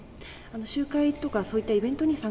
集会とか、そういったイベントにはい。